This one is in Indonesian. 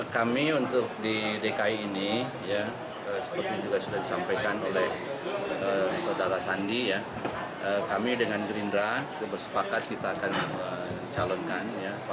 namanya kita godok ya terkait dengan pasangannya